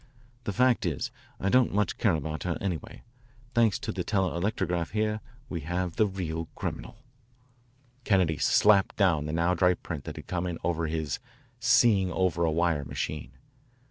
The fact is, I don't much care about her, anyway. Thanks to the telelectrograph here we have the real criminal." Kennedy slapped down the now dry print that had come in over his "seeing over a wire machine."